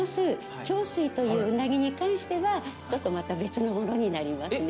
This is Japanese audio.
共水というウナギに関してはちょっとまた別のものになりますね。